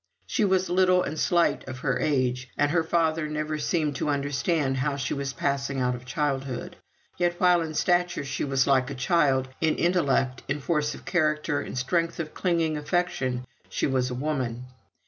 She was little and slight of her age, and her father never seemed to understand how she was passing out of childhood. Yet while in stature she was like a child; in intellect, in force of character, in strength of clinging affection, she was a woman.